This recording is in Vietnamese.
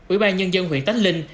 ủy ban nhân dân huyện tánh linh